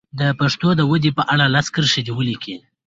د پښتو د ودې په اړه لس کرښې دې ولیکي.